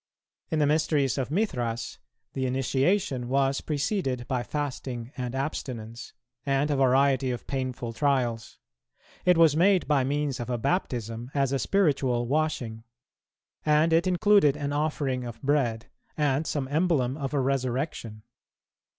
In the mysteries of Mithras, the initiation[214:1] was preceded by fasting and abstinence, and a variety of painful trials; it was made by means of a baptism as a spiritual washing; and it included an offering of bread, and some emblem of a resurrection.